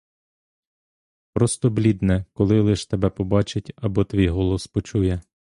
Просто блідне, коли лиш тебе побачить або твій голос почує.